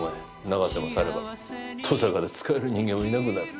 永瀬も去れば登坂で使える人間はいなくなる。